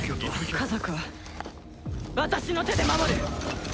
家族は私の手で守る！